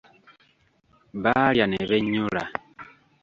Baalya ne bennyula.